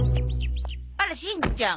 あらしんちゃん。